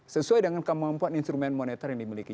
sesuai dengan kemampuan instrumen moneter yang dimiliki